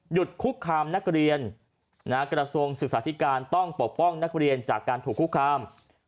คุกคามนักเรียนกระทรวงศึกษาธิการต้องปกป้องนักเรียนจากการถูกคุกคาม